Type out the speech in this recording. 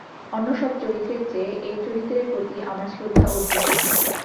অন্য সব চরিত্রের চেয়ে এঁর চরিত্রের প্রতি আমার শ্রদ্ধা অধিক।